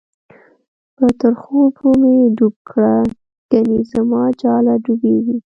په ترخو اوبو می ډوب کړه، گڼی زماجاله ډوبیږی